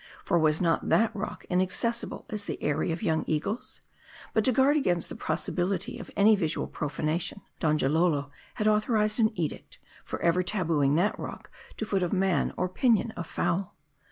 For was not that rock inaccessible as the eyrie of young eagles ? But to guard against the possibility of any visual profanation, Donjalolo had author ized an edict, forever tabooing that rock to foot of man or pinion of fowl.